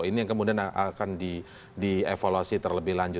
ini yang kemudian akan dievaluasi terlebih lanjut